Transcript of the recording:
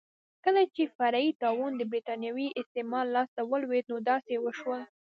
کله چې فري ټاون د برېټانوي استعمار لاس ته ولوېد نو داسې وشول.